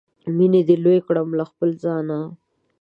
مینې دې لوی کړم له خپله ځانه